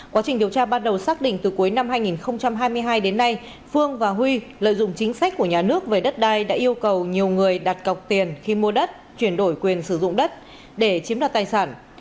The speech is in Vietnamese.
quá trình điều tra ban đầu xác định từ cuối năm hai nghìn hai mươi hai đến nay phương và huy lợi dụng chính sách của nhà nước về đất đai đã yêu cầu nhiều người đặt cọc tiền khi mua đất chuyển đổi quyền sử dụng đất để chiếm đoạt tài sản